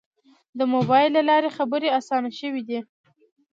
د موبایل له لارې خبرې آسانه شوې دي.